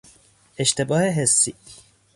اشتباه حسی